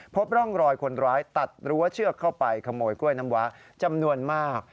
พบร่องรอยคนร้ายตัดรั้วเชือกเข้าไปขโมยกล้วยน้ำว้าจำนวนมาก